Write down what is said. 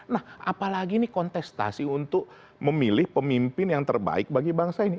nah apalagi ini kontestasi untuk memilih pemimpin yang terbaik bagi bangsa ini